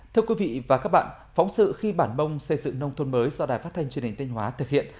thưa quý vị và các bạn phóng sự khi bản mông xây dựng nông thôn mới do đài phát thanh chương trình tênh hóa thực hiện